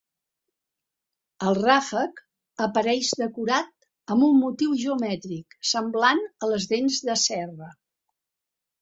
El ràfec apareix decorat amb un motiu geomètric semblant a les dents de serra.